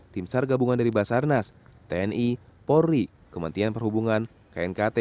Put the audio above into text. tim sar gabungan dari basarnas tni polri kementerian perhubungan knkt